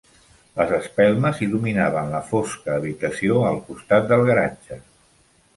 Les espelmes il·luminaven la fosca habitació al costat del garatge.